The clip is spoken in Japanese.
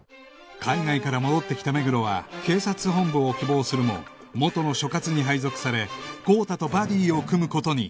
海外から戻ってきた目黒は警察本部を希望するも元の所轄に配属され豪太とバディを組む事に